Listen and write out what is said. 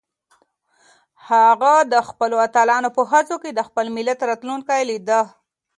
هغه د خپلو اتلانو په هڅو کې د خپل ملت راتلونکی لیده.